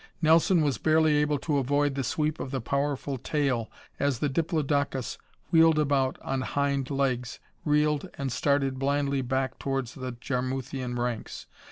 Nelson was barely able to avoid the sweep of the powerful tail as the diplodocus wheeled about on hind legs, reeled and started blindly back towards the Jarmuthian ranks.